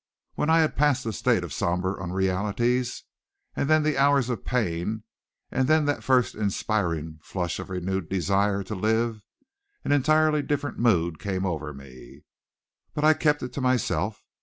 When I had passed the state of somber unrealities and then the hours of pain and then that first inspiring flush of renewed desire to live, an entirely different mood came over me. But I kept it to myself.